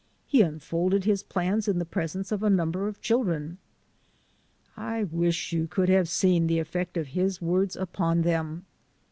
He unfolded his plans in the presence of a number of the children. I wish you could have seen the effect of his words upon them!